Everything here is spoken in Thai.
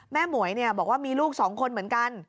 แม่หมวยเนี่ยบอกว่ามีลูกสองคนเหมือนกัน